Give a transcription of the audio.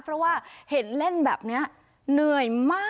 เพราะว่าเห็นเล่นแบบนี้เหนื่อยมาก